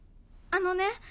あのね